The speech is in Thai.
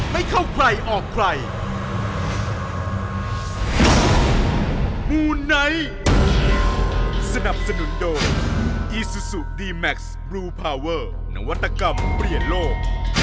มูไนท์สนับสนุนโดอีซูซูดีแม็กซ์บลูพาเวอร์นวัตกรรมเปลี่ยนโลก